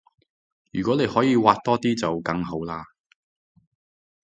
如果你可以搲多啲就更好啦